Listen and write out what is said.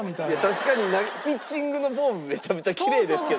確かにピッチングのフォームめちゃめちゃきれいですけど。